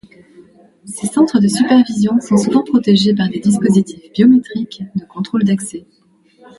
Ces centres de supervision sont souvent protégés par des dispositifs biométriques de contrôle d'accès.